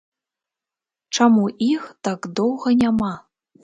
Чаму іх так доўга няма?